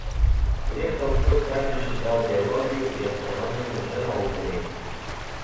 Лев Толстой также считал биологию и астрономию лженауками.